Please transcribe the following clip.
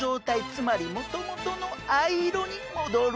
つまりもともとの藍色に戻るんです。